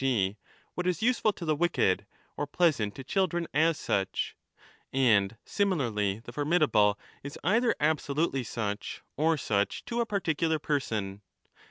g. what is useful to the wicked or pleasant to children as such; and similarly the formidable is either absolutely such or such to a particular person.